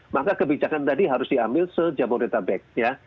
maka kebijakan tadi harus diambil sejamur data back ya